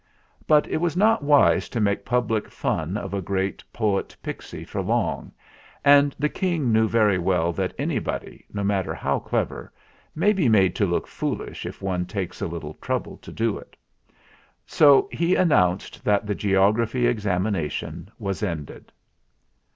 But it was not wise to make public fun of a great poet pixy for long, and the King knew very well that anybody, no matter how clever, may be made to look foolish if one takes a little trouble to do it. So he announced that the geography examination was ended.